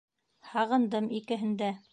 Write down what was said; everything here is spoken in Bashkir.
Һағындым икеһен дә...